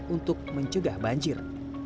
untuk mencegah banjir